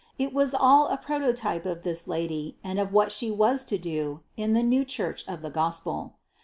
It was all a prototype of this Lady and of what She was to do in the new Church of the Gospel.